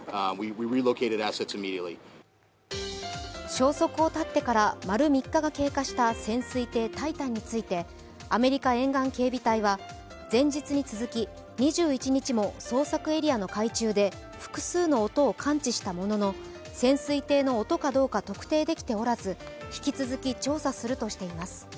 消息を絶ってから丸３日が経過した潜水艇「タイタン」についてアメリカ沿岸警備隊は前日に続き、２１日も捜索エリアの海中で複数の音を感知したものの、潜水艇の音かどうか特定できておらず引き続き調査するとしています。